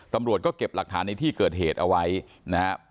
ตำรวจก็เก็บหลักฐานในที่เกิดเหตุเอาไว้นะครับ